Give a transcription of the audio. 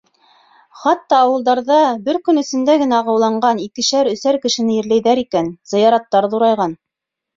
Хатта ауылдарҙа бер көн эсендә генә ағыуланған икешәр-өсәр кешене ерләйҙәр икән, зыяраттар ҙурайған.